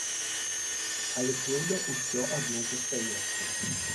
Але крыўда ўсё адно застаецца.